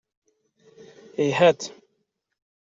Yhat